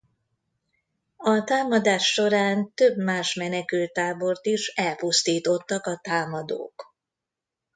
A támadás során több más menekülttábort is elpusztítottak a támadók.